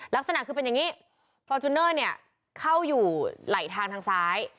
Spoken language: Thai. ลักษณะคือเป็นอย่างนี้ฟอร์จูเนอร์เนี่ยเข้าอยู่ไหลทางทางซ้าย